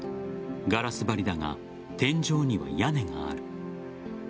ガラス張りだが天井には屋根がある。